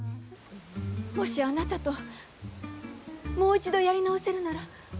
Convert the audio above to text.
もしあなたともう一度やり直せるなら。